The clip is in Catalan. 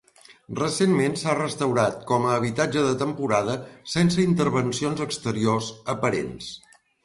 Recentment s'ha restaurat com a habitatge de temporada sense intervencions exteriors aparents.